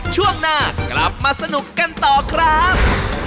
ช่วงหน้ากลับมาสนุกกันต่อครับ